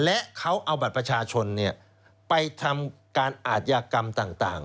และเขาเอาบัตรประชาชนไปทำการอาทยากรรมต่าง